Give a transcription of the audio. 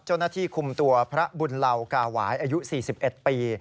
เจ้าหน้าที่คุมตัวพระบุญเหล่ากาหวายอายุ๔๑ปี